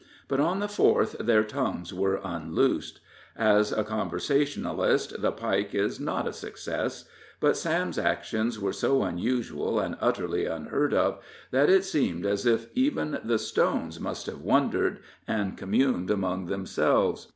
But on the fourth their tongues were unloosed. As a conversationalist the Pike is not a success, but Sam's actions were so unusual and utterly unheard of, that it seemed as if even the stones must have wondered and communed among themselves.